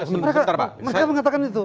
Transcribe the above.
mereka mengatakan itu